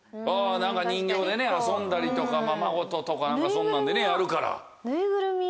人形で遊んだりとかままごととかそんなんでやるから。